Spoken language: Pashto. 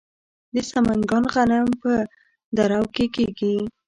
د سمنګان غنم په درو کې کیږي.